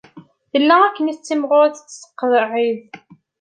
Tella akken tettimɣur i tettqeεεid.